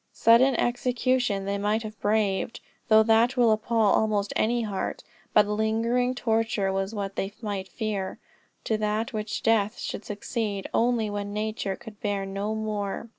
Sudden execution they might have braved, though that will appal almost any heart; but lingering torture was what they might fear, to which death should succeed only when nature could bear no more.